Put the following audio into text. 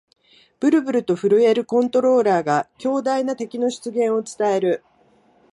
ブルブルと震えるコントローラーが、強大な敵の出現を伝える